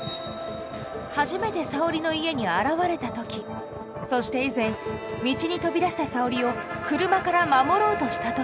初めて沙織の家に現れた時そして以前道に飛び出した沙織を車から守ろうとした時。